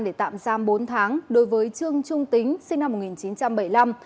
để tạm giam bốn tháng đối với trương trung tính sinh năm một nghìn chín trăm bảy mươi năm